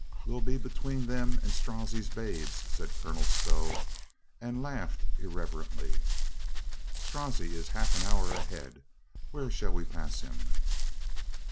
"We'll be between them and Strozzi's babes," said Colonel Stow, and laughed irrelevantly. "Strozzi is half an hour ahead. Where shall we pass him?"